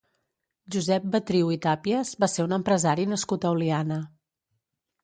Josep Betriu i Tàpies va ser un empresari nascut a Oliana.